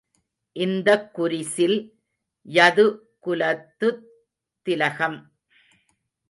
இந்தக்குரிசில் Yadu குலத்துத்திலகம்.